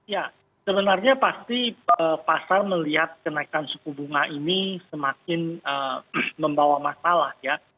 ya sebenarnya pasti pasar melihat kenaikan suku bunga ini semakin membawa masalah ya